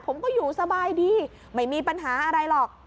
ผมก็อยู่สบายดีไม่มีปัญหาอะไรหรอก